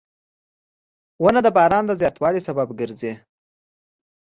• ونه د باران د زیاتوالي سبب ګرځي.